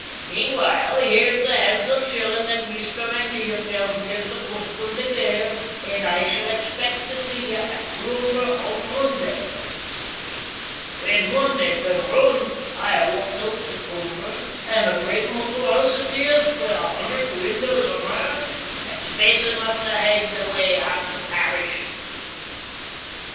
Meanwhile here's the han'sel shillin' that Maister McNeil tells me it's the custom tae give, and I shall expec' tae see ye at Cloomber on Monday." When the Monday cam roond I walked oot tae Cloomber, and a great muckle hoose it is, wi' a hunderd windows or mair, and space enough tae hide awa' half the parish.